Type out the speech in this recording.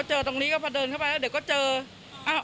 หุดเติมเร็วมากหุดเติมเร็วมาก